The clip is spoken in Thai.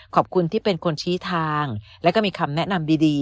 ขอบคุณที่เป็นคนชี้ทางและก็มีคำแนะนำดี